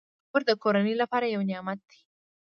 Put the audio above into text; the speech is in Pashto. کور د کورنۍ لپاره یو نعمت دی.